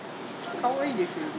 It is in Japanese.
かわいいですよね。